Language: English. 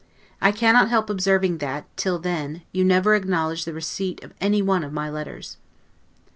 I cannot help observing that, till then, you never acknowledged the receipt of any one of my letters.